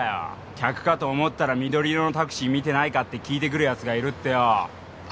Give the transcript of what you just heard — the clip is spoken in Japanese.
客かと思ったら緑色のタクシー見てないかって聞いてくるってよ